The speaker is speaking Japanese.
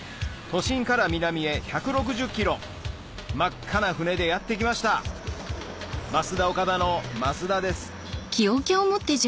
都心から南へ１６０ｋｍ真っ赤な船でやって来ましたますだおかだの増田です